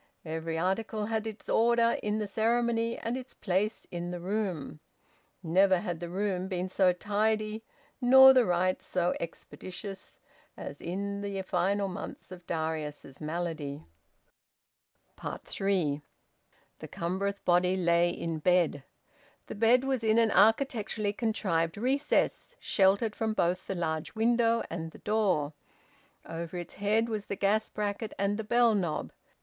Every article had its order in the ceremony and its place in the room. Never had the room been so tidy, nor the rites so expeditious, as in the final months of Darius's malady. THREE. The cumbrous body lay in bed. The bed was in an architecturally contrived recess, sheltered from both the large window and the door. Over its head was the gas bracket and the bell knob.